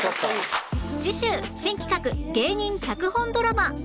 次週新企画芸人脚本ドラマ